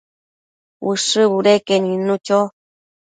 Ushë budeque nidnu cho